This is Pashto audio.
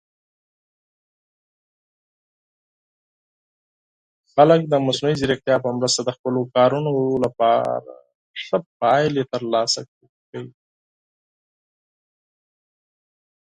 خلک د مصنوعي ځیرکتیا په مرسته د خپلو کارونو لپاره ښه پایلې ترلاسه کوي.